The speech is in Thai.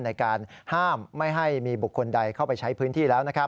ในการห้ามไม่ให้มีบุคคลใดเข้าไปใช้พื้นที่แล้ว